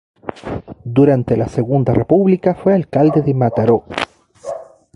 Durante la Segunda República fue alcalde de Mataró.